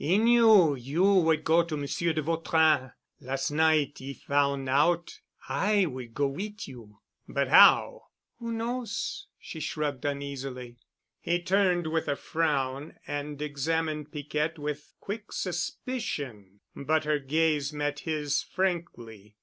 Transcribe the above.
"'E knew you would go to Monsieur de Vautrin. Las' night 'e foun' out I would go wit' you." "But how——?" "Who knows——?" she shrugged uneasily. He turned with a frown and examined Piquette with quick suspicion, but her gaze met his frankly.